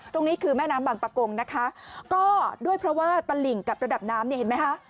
ตรงนี้คือแม่น้ำบางประกงนะคะก็ด้วยเพราะว่าตลิ่งกับระดับน้ำเนี่ยเห็นไหมคะ